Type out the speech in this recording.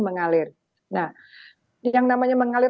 mengalir nah yang namanya mengalir